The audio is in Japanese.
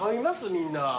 みんな。